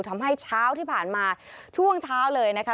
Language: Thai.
เช้าที่ผ่านมาช่วงเช้าเลยนะคะ